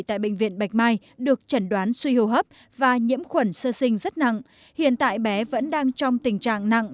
tại bệnh viện bạch mai được chẩn đoán suy hô hấp và nhiễm khuẩn sơ sinh rất nặng hiện tại bé vẫn đang trong tình trạng nặng